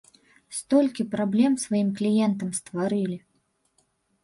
Столькі праблем сваім кліентам стварылі!